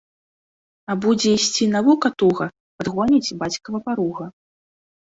А будзе йсці навука туга, падгоніць бацькава паруга!